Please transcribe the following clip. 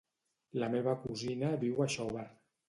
La meva cosina viu a Xóvar.